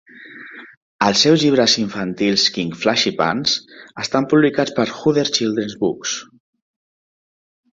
Els seus llibres infantils "King Flashypants" estan publicats per Hodder Children's Books.